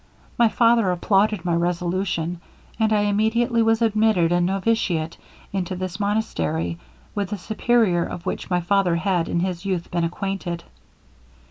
My father applauded my resolution, and I immediately was admited a noviciate into this monastery, with the Superior of which my father had in his youth been acquainted.